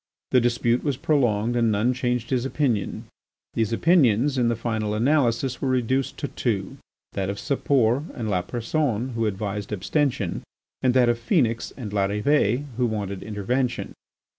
The dispute was prolonged and none changed his opinion. These opinions, in the final analysis, were reduced to two: that of Sapor and Lapersonne who advised abstention, and that of Phœnix and Larrivée, who wanted intervention.